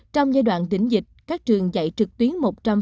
trong giai đoạn đỉnh dịch các trường dạy trực tuyến một trăm linh